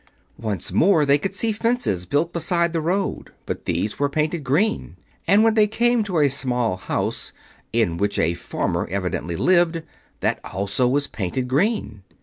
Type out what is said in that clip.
Once more they could see fences built beside the road; but these were painted green, and when they came to a small house, in which a farmer evidently lived, that also was painted green.